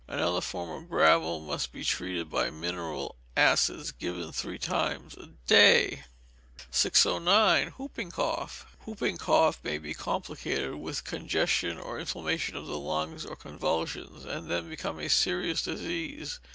Another form of gravel must be treated by mineral acids, given three times a day. 609. Whooping Cough. Wooping cough may be complicated with congestion or inflammation of the lungs, or convulsions, and then becomes a serious disease.